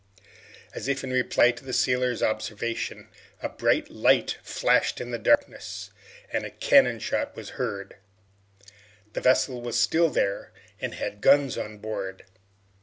As if in reply to the sailor's observation, a bright light flashed in the darkness, and a cannon shot was heard. The vessel was still there and had guns on board.